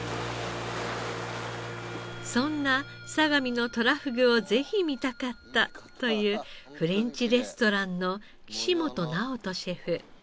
そんな相模のとらふぐをぜひ見たかったというフレンチレストランの岸本直人シェフ。